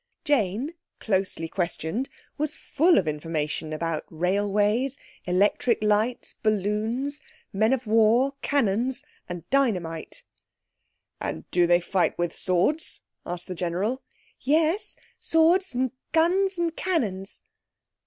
Jane, closely questioned, was full of information about railways, electric lights, balloons, men of war, cannons, and dynamite. "And do they fight with swords?" asked the General. "Yes, swords and guns and cannons."